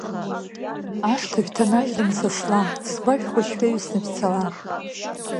Ашҭа шәҭанажьлом са сла, сгәашә хәыҷ шәаҩсны шәцала.